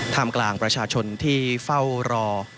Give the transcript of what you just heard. ทำกลางประชาชนที่เฝ้ารอ